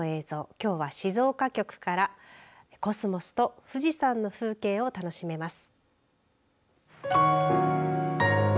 きょうは静岡局からコスモスと富士山の風景を楽しめます。